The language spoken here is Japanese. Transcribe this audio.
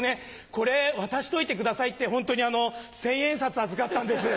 これ渡しといてください」ってホントに千円札預かったんです。